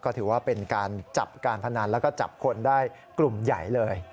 ก็ถือว่าเป็นการจับการพนันแล้วก็จับคนได้กลุ่มใหญ่เลย